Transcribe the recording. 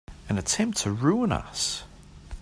An attempt to ruin us!